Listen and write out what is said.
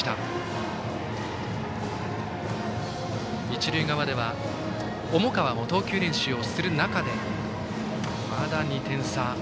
一塁側では重川も投球練習をする中でまだ２点差。